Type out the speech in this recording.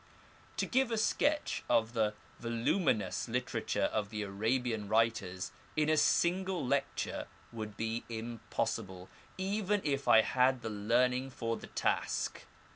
To give a sketch of the voluminous literature of the Arabian writers in a single lecture would be impossible, even if I had the learning for the task.